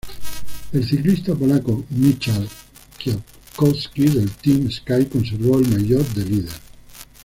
El ciclista polaco Michał Kwiatkowski del Team Sky conservó el maillot de líder.